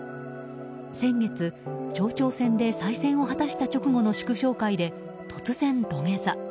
先月、町長選で再選を果たした直後の祝勝会で突然、土下座。